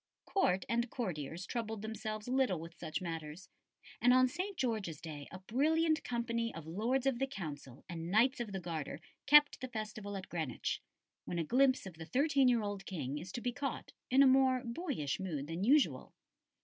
Court and courtiers troubled themselves little with such matters, and on St. George's Day a brilliant company of Lords of the Council and Knights of the Garter kept the festival at Greenwich; when a glimpse of the thirteen year old King is to be caught, in a more boyish mood than usual.